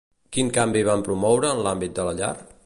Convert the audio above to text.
Quin canvi van promoure en l'àmbit de la llar?